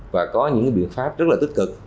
và có những biện pháp rất là tích cực